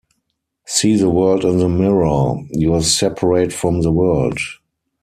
See the world in the mirror, you're separate from the world.